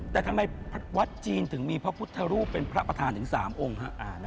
แต่ทำไมวัดจีนถึงมีพระพุทธรูปเป็นพระประธานถึง๓องค์ฮะ